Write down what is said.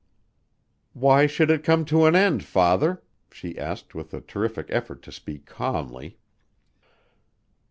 "Why should it come to an end, Father?" she asked with a terrific effort to speak calmly.